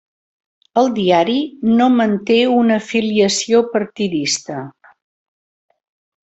El diari no manté una afiliació partidista.